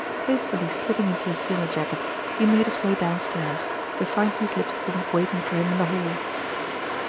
Hastily slipping into his dinner jacket, he made his way downstairs, to find Miss Lipscombe waiting for him in the hall.